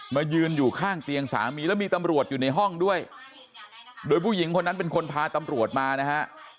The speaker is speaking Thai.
ยืนอยู่ข้างเตียงสามีแล้วมีตำรวจอยู่ในห้องด้วยโดยผู้หญิงคนนั้นเป็นคนพาตำรวจมานะฮะ